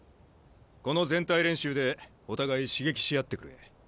この全体練習でお互い刺激し合ってくれ。